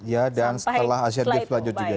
ya dan setelah asean games berlanjut juga ya